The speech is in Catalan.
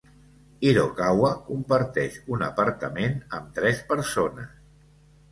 Hirokawa comparteix un apartament amb tres persones.